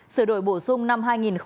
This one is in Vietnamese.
sửa đổi bổ sung năm hai nghìn một mươi bảy